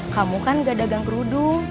kamu kan gak dagang kerudu